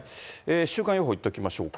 週間予報、いっときましょうか。